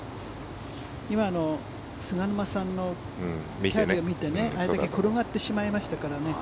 今の菅沼さんのを見てあれだけ転がってしまいましたからね。